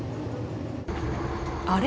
あれ？